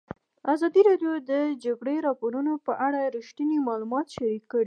ازادي راډیو د د جګړې راپورونه په اړه رښتیني معلومات شریک کړي.